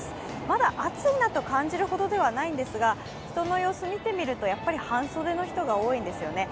まだ暑いなと感じるほどではないんですが、人の様子を見てみると、やっぱり半袖の人が多いですね。